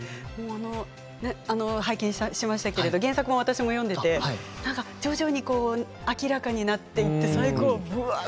拝見しましたけれど原作も私も読んでいて徐々に明らかになっていって最後うわっと。